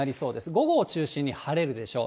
午後を中心に晴れるでしょう。